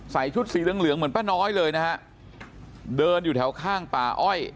ชุดสีเหลืองเหลืองเหมือนป้าน้อยเลยนะฮะเดินอยู่แถวข้างป่าอ้อย